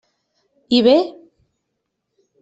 I bé?